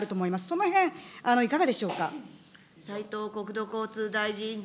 そのへん、いかがでしょうか。